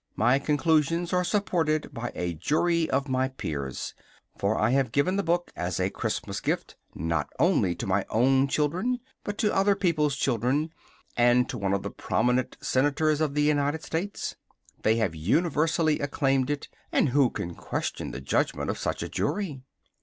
My conclusions are supported by a jury of my peers, for I have given the book as a Christmas gift, not only to my own children, but to other people's children, and to one of the prominent Senators of the United States. They have universally acclaimed it, and who can question the judgment of such a jury?